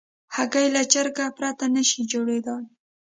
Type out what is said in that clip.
هګۍ له چرګه پرته نشي جوړېدای.